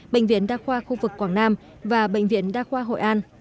bệnh viện đa khoa khu vực quảng nam và bệnh viện đa khoa hội an